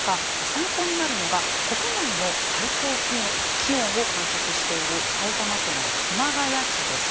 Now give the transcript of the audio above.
参考になるのが国内の最高気温を観測している埼玉県の熊谷市です。